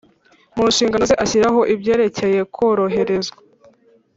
Mu nshingano ze ashyiraho ibyerekeye kworoherezwa